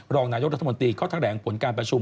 รองนายกรัฐมนตรีเขาแถลงผลการประชุม